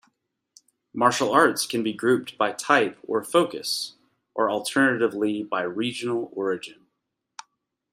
Martial arts can be grouped by type or focus, or alternatively by regional origin.